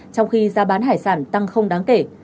trong khi giá bán hải sản tăng không đáng kể